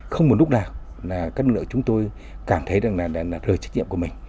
không có lúc nào là các lực lượng chúng tôi cảm thấy rằng là lợi trách nhiệm của mình